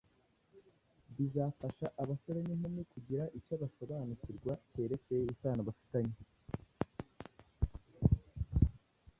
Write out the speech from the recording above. Bizafasha abasore n’inkumi kugira icyo basobanukirwa cyerekeye isano bafitanye